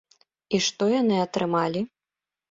І што яны атрымалі?